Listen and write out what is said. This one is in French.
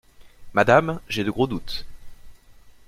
Madame, j’ai de gros doutes.